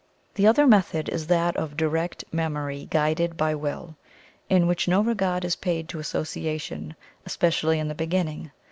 The other method is that of direct Memory guided by Will, in which no regard is paid to Association, especially in the beginning.